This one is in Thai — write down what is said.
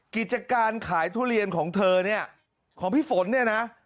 กิจการขายทุเรียนของเธอเนี่ยของพี่ฝนเนี่ยนะ